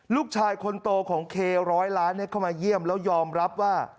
ลูกชายคนโตของเคร้อยล้านเข้ามาเยี่ยมแล้วยอมรับว่า